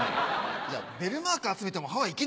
いやベルマーク集めてもハワイ行けねえから。